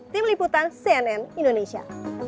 tim liputan cnn indonesia